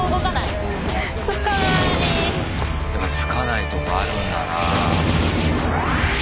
やっぱつかないとかあるんだな。